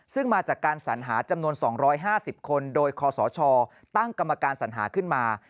ซึ่งมาจากการสัญหาจำนวน๒๕๐คนโดยคอสชตั้งกรรมการสัญหาขึ้นมา